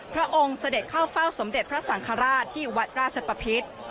พระองค์เสด็จเข้าเฝ้าสมเด็จพระสังฆราชที่วัดราชปพิษ